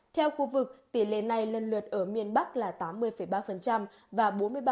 theo khu vực tỷ lệ này lần lượt ở miền bắc là tám mươi ba và bốn mươi ba